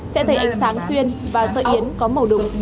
sẽ thấy ánh sáng xuyên và sợi yến có màu đục